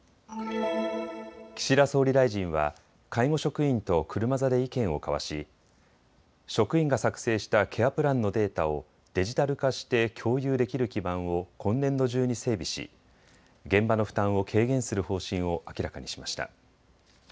岸田総理大臣は介護職員と車座で意見を交わし職員が作成したケアプランのデータをデジタル化して共有できる基盤を今年度中に整備し、現場の負担を軽減する方針を明らかにしました。